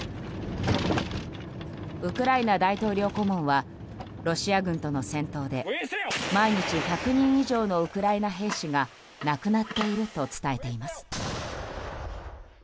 ウクライナ大統領顧問はロシア軍との戦闘で毎日１００人以上のウクライナ兵士が亡くなっていると伝えています。